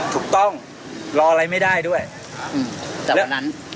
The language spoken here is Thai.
ถูกต้องรออะไรไม่ได้ด้วยอืมแต่วันนั้น